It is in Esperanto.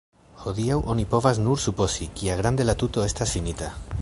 Hodiaŭ oni povas nur supozi, kiagrade la tuto estas finita.